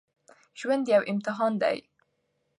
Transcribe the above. ژوند يو امتحان دی